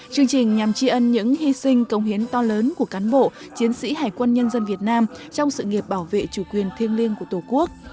chương trình nhằm tri ân những hy sinh công hiến to lớn của cán bộ chiến sĩ hải quân nhân dân việt nam trong sự nghiệp bảo vệ chủ quyền thiêng liêng của tổ quốc